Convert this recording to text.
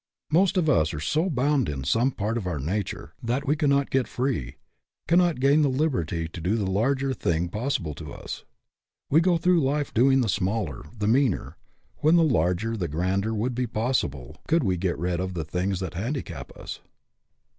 Most of us are so bound in some part of our nature that we cannot get free ; cannot gain the liberty to do the larger thing possible to us. We go through life doing the smaller, the meaner, when the larger, the grander would be pos sible could we get rid of the things that handi cap us.